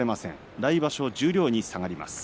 来場所十両に下がります。